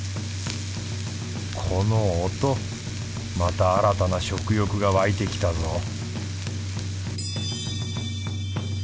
この音また新たな食欲が湧いてきたぞ